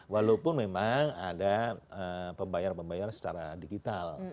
walaupun memang ada pembayar pembayaran secara digital